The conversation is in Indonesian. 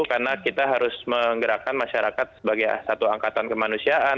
karena kita harus menggerakkan masyarakat sebagai satu angkatan kemanusiaan